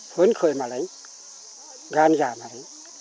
hướng khởi mà lấy gan giảm mà lấy